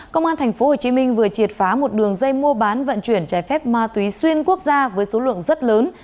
công an tp hcm vừa triệt phá một đường dây mua bán vận chuyển trái phép ma túy xuyên quốc gia với số lượng rất lớn